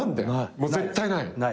もう絶対ない？